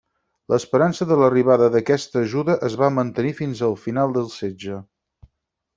L'esperança de l'arribada d'aquesta ajuda es va mantenir fins al final del setge.